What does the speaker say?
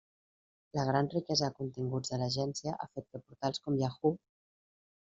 La gran riquesa de continguts de l'agència ha fet que portals com Yahoo!